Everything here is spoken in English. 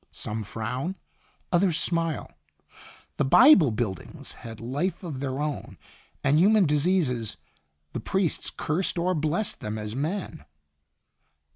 Some frown, others smile. The Bible buildings had life of their own and human dis eases; the priests cursed or blessed them as men."